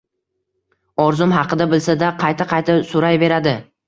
Orzum haqida bilsa-da, qayta-qayta so`rayveradi